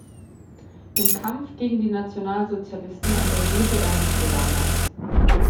Im Kampf gegen die Nationalsozialisten engagierte er sich besonders.